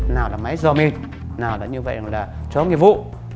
nào là máy do mình nào là như vậy là cho nhiệm vụ